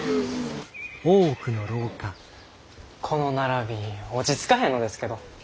この並び落ち着かへんのですけど。